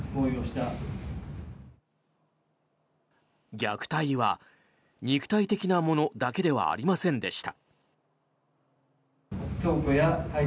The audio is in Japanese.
虐待は肉体的なものだけではありませんでした。